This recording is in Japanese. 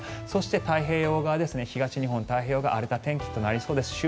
そして、太平洋側東日本太平洋側は荒れた天気となりそうです。